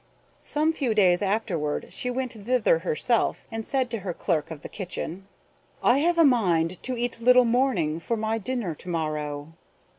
Some few days afterward she went thither herself, and said to her clerk of the kitchen: "I have a mind to eat little Morning for my dinner to morrow."